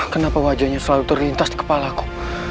kenapa wajahnya selalu terlintas di kepala kok